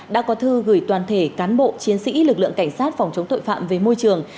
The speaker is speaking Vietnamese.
đã có thư gửi toàn thể cán bộ chiến sĩ lực lượng cảnh sát phòng chống tội phạm về môi trường